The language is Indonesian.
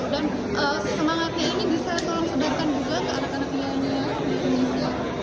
dan semangatnya ini bisa tolong sebarkan juga ke anak anaknya di indonesia